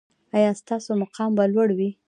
ایا ستاسو مقام به لوړ وي؟